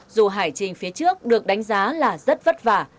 dù hải trình phía trước được đánh giá là rất vất vả